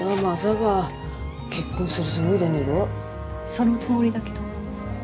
そのつもりだけど。